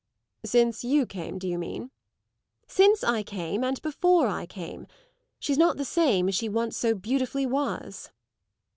"Since you came, do you mean?" "Since I came and before I came. She's not the same as she once so beautifully was."